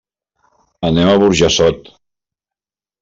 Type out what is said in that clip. Anem a Burjassot.